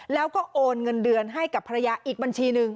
แล้วก็โอนเงินเดือนให้กับภรรยาอีกบัญชีหนึ่ง